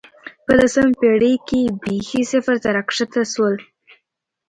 په لسمه پېړۍ کې بېخي صفر ته راښکته شول